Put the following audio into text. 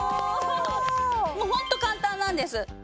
もうホント簡単なんです。